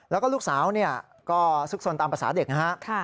แล้วก็ลูกสาวก็ซุกสนตามภาษาเด็กนะครับ